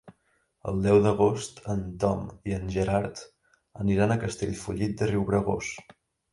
El deu d'agost en Tom i en Gerard aniran a Castellfollit de Riubregós.